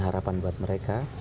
harapan buat mereka